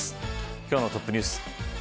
今日のトップニュース。